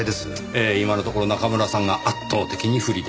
ええ今のところ中村さんが圧倒的に不利ですね。